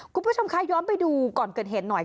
คุณผู้ชมคะย้อนไปดูก่อนเกิดเหตุหน่อย